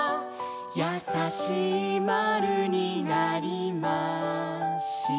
「やさしい○になりました」